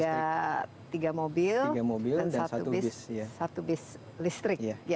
ya tiga mobil dan satu bis listrik